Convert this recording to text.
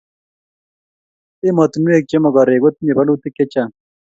emotinwek che mokorek kotinyei bolutik chechang